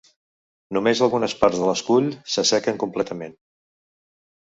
Només algunes parts de l'escull s'assequen completament.